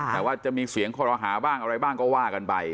แต่ว่าจะมีเสียงคอรหาบ้างอะไรบ้างก็ว่ากันไป